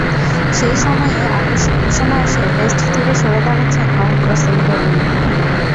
সেই সময়ই আকস্মিক ঘোষণা আসে—টেস্ট থেকে সরে দাঁড়াচ্ছেন মহেন্দ্র সিং ধোনি।